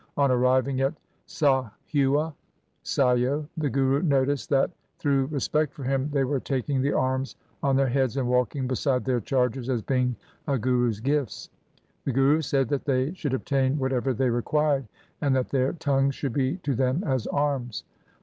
On arriving at Sahewa (Saio) the Guru noticed that through respect for him they were taking the arms on their heads and walking beside their chargers as being a Guru's gifts. The Guru said that they should obtain whatever they required, and that their tongues should be to them as arms.